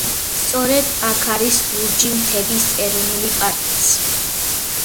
სწორედ აქ არის ლურჯი მთების ეროვნული პარკიც.